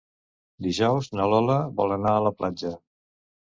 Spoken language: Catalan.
Dijous na Lola vol anar a la platja.